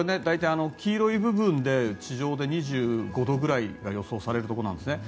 黄色い部分で地上で２５度くらいが予想されるところなんですね。